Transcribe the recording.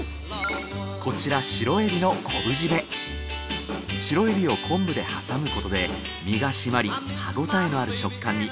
こちらシロエビを昆布で挟むことで身が締まり歯応えのある食感に。